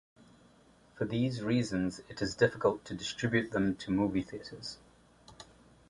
For these reasons, it is difficult to distribute them to movie theaters.